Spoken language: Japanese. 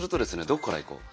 どこからいこう。